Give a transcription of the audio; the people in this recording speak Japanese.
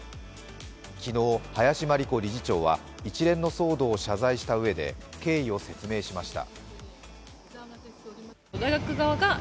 昨日、林真理子理事長は一連の騒動を謝罪したうえで、経緯を説明しました。